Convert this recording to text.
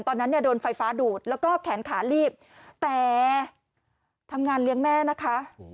ตอนนั้นเนี่ยโดนไฟฟ้าดูดแล้วก็แขนขาลีบแต่ทำงานเลี้ยงแม่นะคะ